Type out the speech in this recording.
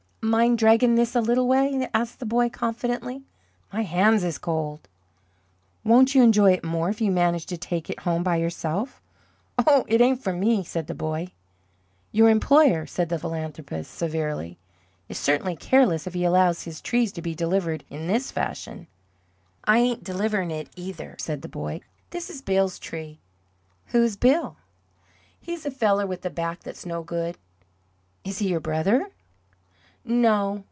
"Mind draggin' this a little way?" asked the boy, confidently, "my hands is cold." "Won't you enjoy it more if you manage to take it home by yourself?" "Oh, it ain't for me!" said the boy. "Your employer," said the philanthropist, severely, "is certainly careless if he allows his trees to be delivered in this fashion." "I ain't deliverin' it, either," said the boy. "This is Bill's tree." "Who is Bill?" "He's a feller with a back that's no good." "Is he your brother?" "No.